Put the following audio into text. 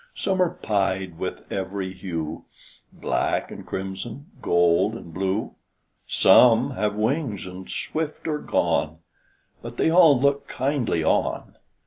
Some are pied with ev'ry hue, Black and crimson, gold and blue; Some have wings and swift are gone; But they all look kindly on.